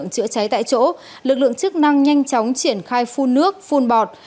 chữa cháy tại chỗ lực lượng chức năng nhanh chóng triển khai phun nước phun bọt